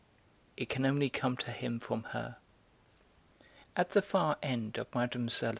It can only come to him from her." At the far end of Mlle.